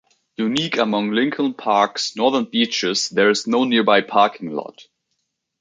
Unique among Lincoln Park's northern beaches there is no nearby parking lot.